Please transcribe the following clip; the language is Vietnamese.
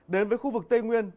đến với khu vực tây nguyên